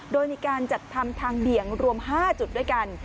โดยมีการจัดทำทางเบี่ยงรวม๕จุดด้วยกัน